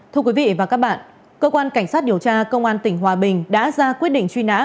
thưa quý vị và các bạn cơ quan cảnh sát điều tra công an tỉnh hòa bình đã ra quyết định truy nã